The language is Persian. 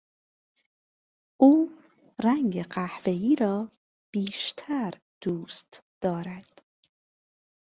او رنگ قهوهای را بیشتر دوست دارد.